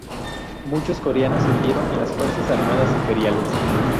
Muchos coreanos sirvieron en las fuerzas armadas imperiales.